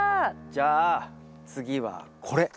じゃあ次はこれ。